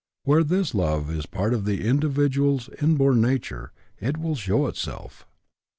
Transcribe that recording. Where this love is a part of the individual's inborn nature, it will show itself.